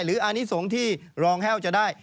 หรืออันนี้ฟ้องที่รองแฮวฟ้องจะได้